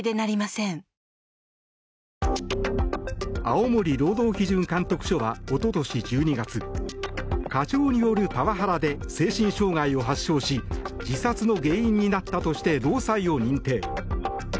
青森労働基準監督署は一昨年１２月課長によるパワハラで精神障害を発症し自殺の原因になったとして労災を認定。